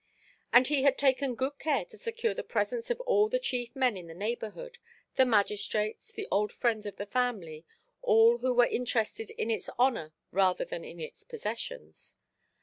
And he had taken good care to secure the presence of all the chief men in the neighbourhood—the magistrates, the old friends of the family, all who were interested in its honour rather than in its possessions.